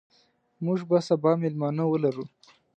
موږ به سبا مېلمانه ولرو.